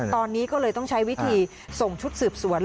ตอนนี้ก็เลยต้องใช้วิธีส่งชุดสืบสวน